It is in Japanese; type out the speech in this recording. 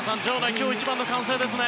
今日一番の歓声ですね。